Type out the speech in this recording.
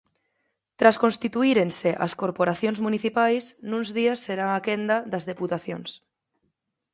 Tras constituírense as corporacións municipais, nuns días será a quenda das Deputacións.